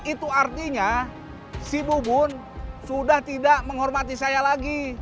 itu artinya si bubun sudah tidak menghormati saya lagi